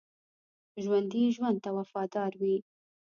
ژوندي ژوند ته وفادار وي